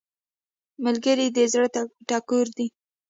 ملګری د زړه ټکور دی